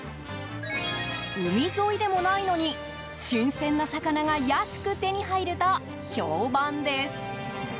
海沿いでもないのに新鮮な魚が安く手に入ると評判です。